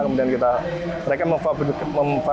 kemudian kita mereka memanfaatkan